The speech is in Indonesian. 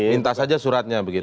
minta saja suratnya begitu